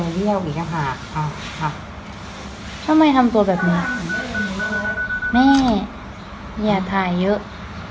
เยี่ยวกี่กะผักเอาครับทำไมทำตัวแบบนี้แม่อย่าถ่ายเยอะ